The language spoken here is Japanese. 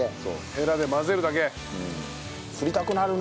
ヘラで混ぜるだけ。